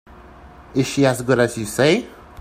Is she as good as you say?